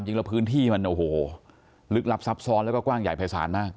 ละพื้นที่มันโอ้โหลึกลับซับซ้อนแล้วก็กว้างใหญ่ภายศาลมาก